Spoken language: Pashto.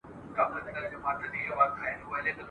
کښتۍ وان چي وه لیدلي توپانونه..